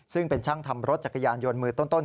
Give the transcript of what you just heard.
ซึ่งเป็นช่างทำรถจักรยานยนต์มือต้น